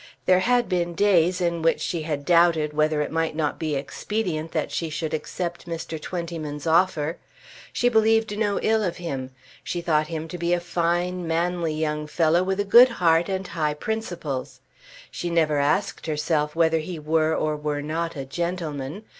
There had been days in which she had doubted whether it might not be expedient that she should accept Mr. Twentyman's offer. She believed no ill of him. She thought him to be a fine manly young fellow with a good heart and high principles. She never asked herself whether he were or were not a gentleman.